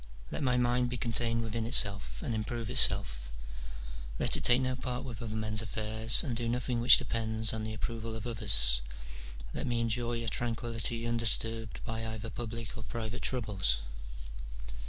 Let my mind be contained within itself and improve itself: let it take no part with other men's affairs, and do nothing which depends on the approval of others : let me enjoy a tranquillity undisturbed by either public or private troubles."